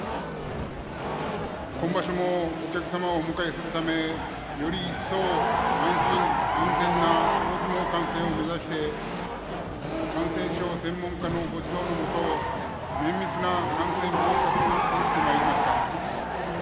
今場所もお客様をお迎えするためより一層、安心安全な大相撲観戦を目指して感染症専門家のご指導のもと綿密な感染防止策を講じてまいりました。